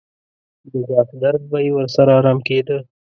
د غاښ درد به یې ورسره ارام کېده.